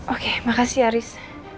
oke makasih haris